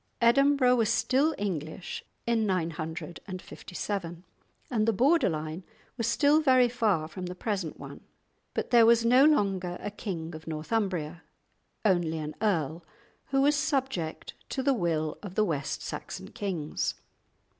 Edinburgh was still English in 957, and the border line was still very far from the present one. But there was no longer a king of Northumbria; only an earl, who was subject to the will of the West Saxon kings.